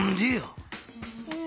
うん。